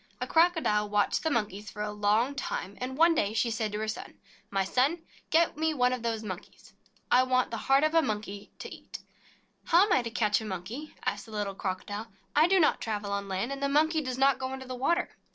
A Crocodile watched the Monkeys for a long time, and one day she said to her son : "My son, get one of those Monkeys for me. I want the heart of a Monkey to eat." "How am I to catch a Monkey?" asked the little Crocodile. "I do not travel on land, and the Monkey does not go into the water."